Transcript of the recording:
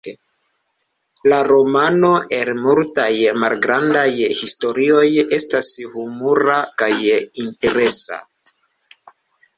La romano el multaj malgrandaj historioj estas humura kaj interesa.